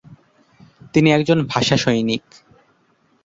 তিনি একজন ভাষা সৈনিক।